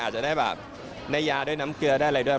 จะได้แบบได้ยาด้วยน้ำเกลือได้อะไรด้วย